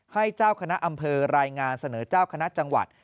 ให้เจ้าคณะอำเภอรายงานเสนอเจ้าคณะจังหวัด